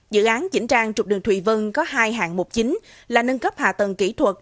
dự án chỉnh trang trục đường thùy vân có hai hạng mục chính là nâng cấp hạ tầng kỹ thuật